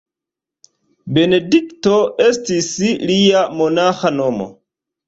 Benedikto estis lia monaĥa nomo.